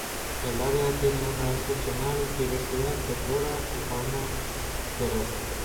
El área tiene una excepcional diversidad de flora y fauna terrestre.